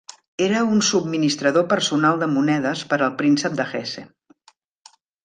Era un subministrador personal de monedes per al príncep de Hesse.